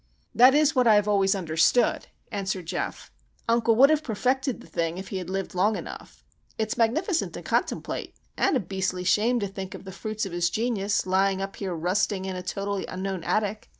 "That is what I have always understood," answered Geof. "Uncle would have perfected the thing if he had lived long enough. It's magnificent to contemplate,—and a beastly shame to think of the fruits of his genius lying up here rusting in a totally unknown attic!